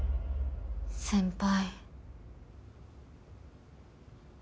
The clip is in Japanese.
先輩。